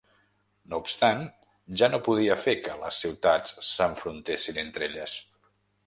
No obstant ja no podia fer que les ciutats s'enfrontessin entre elles.